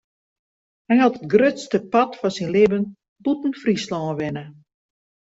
Hy hat it grutste part fan syn libben bûten Fryslân wenne.